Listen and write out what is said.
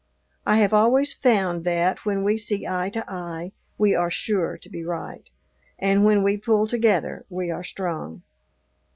I have always found that, when we see eye to eye, we are sure to be right, and when we pull together we are strong.